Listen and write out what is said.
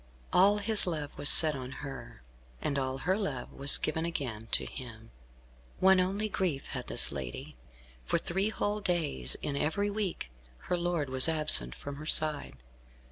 All his love was set on her, and all her love was given again to him. One only grief had this lady. For three whole days in every week her lord was absent from her side.